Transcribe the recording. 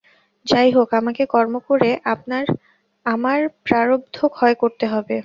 যাই হোক, আমাকে কর্ম করে আমার প্রারব্ধ ক্ষয় করতে হবে।